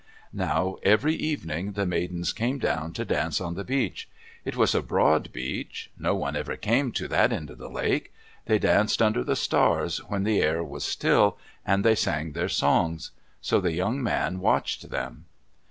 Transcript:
Now every evening the maidens came down to dance on the beach. It was a broad beach. No one ever came to that end of the lake. They danced under the stars, when the air was still, and they sang their songs. So the young man watched them.